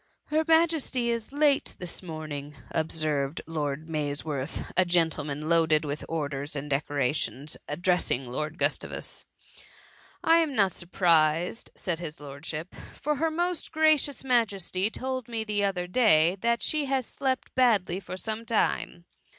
" Her Majesty is late this morning,'*' observed Lord Mays worth, a gentleman loaded with orders and decorations, addressing Lord Gustavus :—" I am not surprised," said his lordship, " for her most gracious Majesty told me the other day, that she has slept badly for some time.''